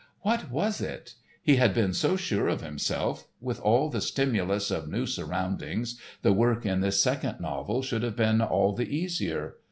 What was it? He had been so sure of himself, with all the stimulus of new surroundings, the work in this second novel should have been all the easier.